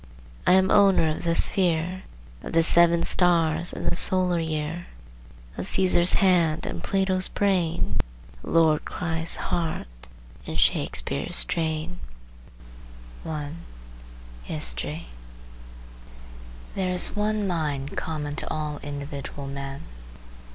I am owner of the sphere, Of the seven stars and the solar year, Of Cæsar's hand, and Plato's brain, Of Lord Christ's heart, and Shakspeare's strain. HISTORY There is one mind common to all individual men.